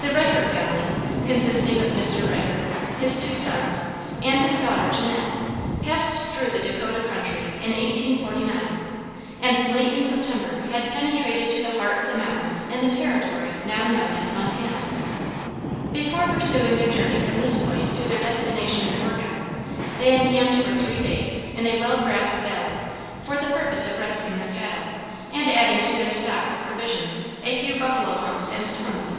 The Riker family, consisting of Mr. Riker, his two sons, and his daughter Janette, passed through the Dacotah country in 1849, and late in September had penetrated to the heart of the mountains in the territory now known as Montana. Before pursuing their journey from this point to their destination in Oregon, they encamped for three days in a well grassed valley for the purpose of resting their cattle, and adding to their stock of provisions a few buffalo humps and tongues.